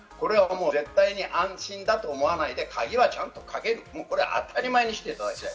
絶対に安心だと思わないで鍵はちゃんとかける、これは当たり前にしていただきたい。